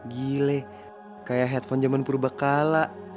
gile kayak headphone zaman purba kala